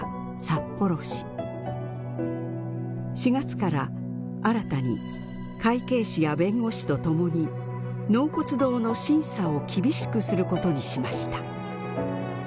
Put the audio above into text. ４月から新たに会計士や弁護士とともに納骨堂の審査を厳しくすることにしました。